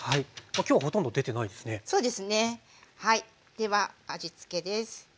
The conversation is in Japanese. では味つけです。